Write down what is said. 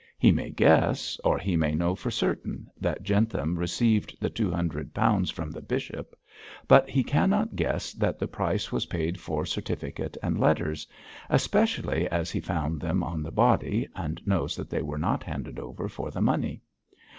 He may guess, or he may know for certain, that Jentham received the two hundred pounds from the bishop, but he cannot guess that the price was paid for certificate and letters, especially as he found them on the body, and knows that they were not handed over for the money.